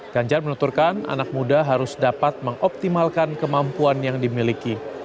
ganjar menuturkan anak muda harus dapat mengoptimalkan kemampuan yang dimiliki